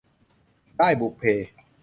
ด้ายบุพเพ